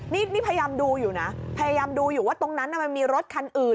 นี่พยายามดูอยู่นะพยายามดูอยู่ว่าตรงนั้นมันมีรถคันอื่น